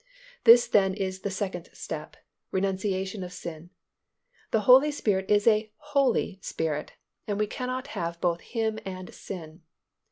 This then is the second step—renunciation of sin. The Holy Spirit is a Holy Spirit and we cannot have both Him and sin.